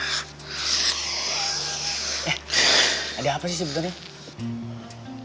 eh ada apa sih sebenarnya